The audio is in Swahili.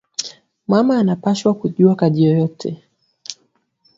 Mama ana pashwa ku juwa kaji yoyote